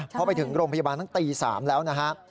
พอไปถึงโรงพยาบาลตั้งตี๓แล้วนะฮะ